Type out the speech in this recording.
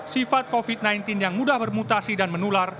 sifat covid sembilan belas yang mudah bermutasi dan menular